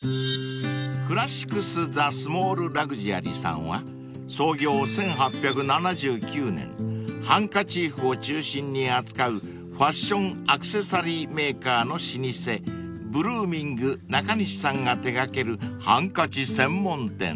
［クラシクス・ザ・スモールラグジュアリさんは創業１８７９年ハンカチーフを中心に扱うファッションアクセサリーメーカーの老舗ブルーミング中西さんが手掛けるハンカチ専門店］